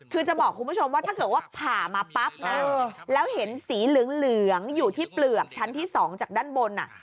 คือจะบอกคุณผู้ชมว่าถ้าเกิดว่าผ่ามาปั๊บนะแล้วเห็นสีเหลืองอยู่ที่เปลือกชั้นที่๒จากด้านบน